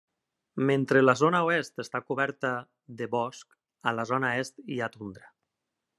Mentre la zona oest està coberta de bosc, a la zona est hi ha tundra.